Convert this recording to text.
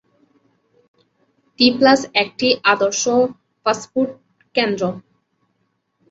টি plus একটি আদর্শ fast food কেন্দ্র।